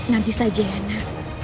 nanti saja yana